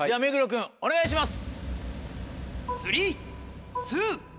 君お願いします。